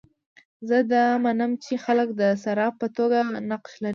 زه دا منم چې خلک د صارف په توګه نقش لري.